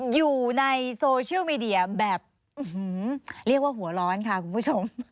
อยู่ในโซเชียลมีเดียแบบเรียกว่าหัวร้อนค่ะคุณผู้ชม